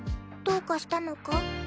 どうかしたのか？